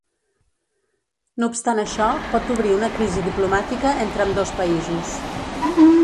No obstant això, pot obrir una crisi diplomàtica entre ambdós països.